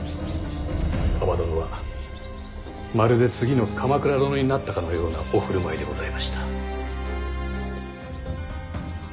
蒲殿はまるで次の鎌倉殿になったかのようなお振る舞いでございました。